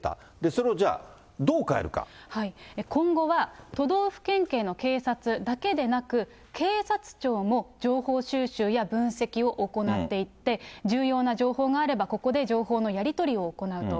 それをじゃあ、今後は都道府県警の警察だけでなく、警察庁も情報収集や分析を行っていって、重要な情報があれば、ここで情報のやり取りを行うと。